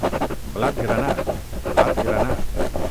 Blat granat, blat granat!